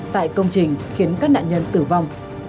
tại công trình khiến các nạn nhân tử vong